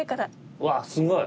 うわすごい。